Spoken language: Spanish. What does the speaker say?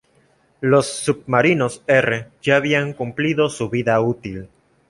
Los submarinos "R" ya habían cumplido su vida útil.